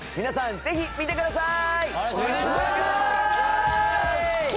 皆さんぜひ見てください！